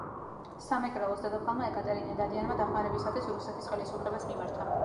სამეგრელოს დედოფალმა ეკატერინე დადიანმა დახმარებისათვის რუსეთის ხელისუფლებას მიმართა.